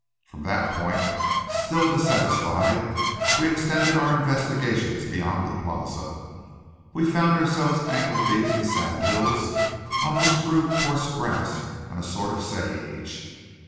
From that point, still dissatisfied, we extended our investigations beyond the Plaza. We found ourselves ankle deep in sandhills on which grew coarse grass and a sort of sage.